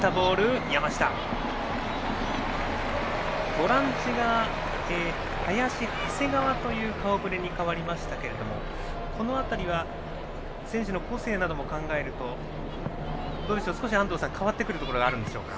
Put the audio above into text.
ボランチが林、長谷川という顔ぶれに変わりましたがこの辺りは選手の個性なども考えると少し安藤さん変わってくるところがあるんでしょうか。